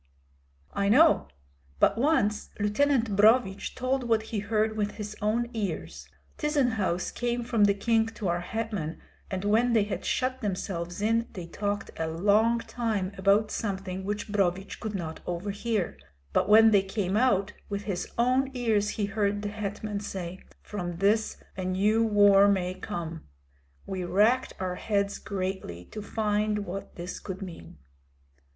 "I know. But once Lieutenant Brohvich told what he heard with his own ears. Tyzenhauz came from the king to our hetman, and when they had shut themselves in they talked a long time about something which Brohvich could not overhear; but when they came out, with his own ears he heard the hetman say, 'From this a new war may come.' We racked our heads greatly to find what this could mean."